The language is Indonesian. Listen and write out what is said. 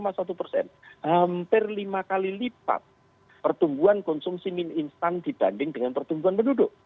hampir lima kali lipat pertumbuhan konsumsi mie instan dibanding dengan pertumbuhan penduduk